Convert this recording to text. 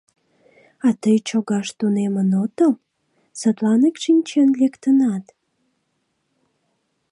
А тый чогаш тунемын отыл — садланак шинчен лектынат.